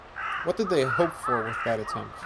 What did they hope for with that attempt?